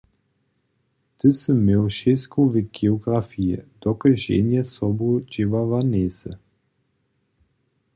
Ty sy měł šěstku w geografiji, dokelž ženje sobu dźěłała njejsy.